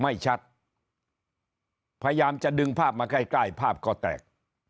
ไม่ชัดพยายามจะดึงภาพมาใกล้ใกล้ภาพก็แตก